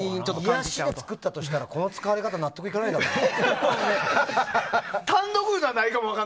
癒やしで作られたとしたらこの使われ方納得いかないだろうね。